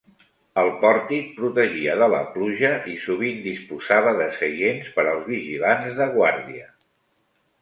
El pòrtic protegia de la pluja i sovint disposava de seients per als vigilants de guàrdia.